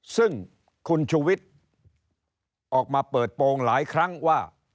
ซึ่งคุณชูวิทย์ออกมาเปิดโปรงหลายครั้งว่า